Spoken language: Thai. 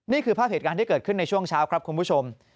นี่คือภาพเหตุการณ์ที่เกิดขึ้นในช่วงเช้าครับคุณผู้ชม